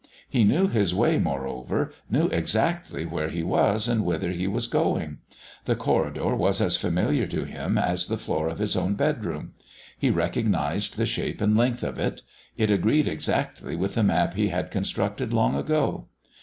He knew his way, moreover, knew exactly where he was and whither he was going. The corridor was as familiar to him as the floor of his own bedroom; he recognised the shape and length of it; it agreed exactly with the map he had constructed long ago.